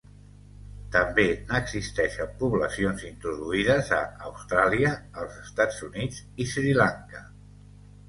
També n'existeixen poblacions introduïdes a Austràlia, els Estats Units i Sri Lanka.